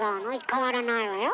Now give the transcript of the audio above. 変わらないわよ。